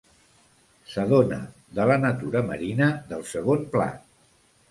S'adona de la natura marina del segon plat.